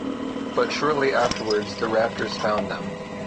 But shortly afterwards, the raptors found them.